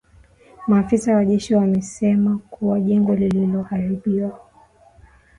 maafisa wa jeshi wamesema kuwa jengo lililoharibiwa